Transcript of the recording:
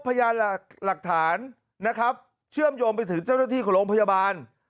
พยานหลักฐานนะครับเชื่อมโยงไปถึงเจ้าหน้าที่ของโรงพยาบาล